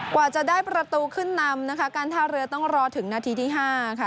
กว่าจะได้ประตูขึ้นนำนะคะการท่าเรือต้องรอถึงนาทีที่๕ค่ะ